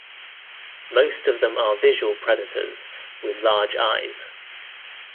Most of them are visual predators with large eyes.